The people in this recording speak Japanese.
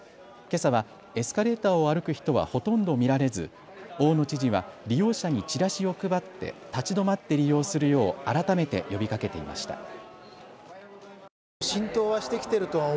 けさはエスカレーターを歩く人はほとんど見られず大野知事は利用者にチラシを配って立ち止まって利用するよう改めて呼びかけていました。